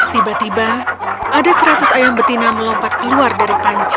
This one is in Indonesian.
tiba tiba ada seratus ayam betina melompat keluar dari panci